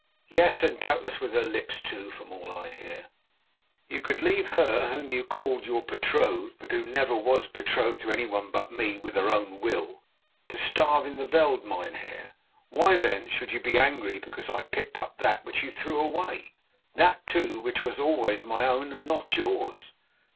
Yes, and doubtless with her lips, too, from all I hear." "You could leave her whom you called your betrothed, but who never was betrothed to anyone but me with her own will, to starve in the veld, mynheer. Why, then, should you be angry because I picked up that which you threw away, that, too, which was always my own and not yours?